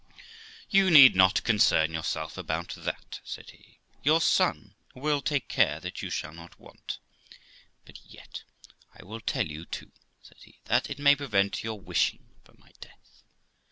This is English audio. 'You need not concern yourself about that', said he; 'your son will take care that you shall not want; but yet, I will tell you, too', said he, 'that it may prevent your wishing for my death.